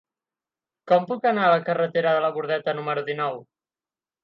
Com puc anar a la carretera de la Bordeta número dinou?